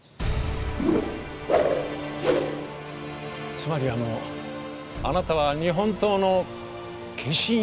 つまりあのあなたは日本刀の化身？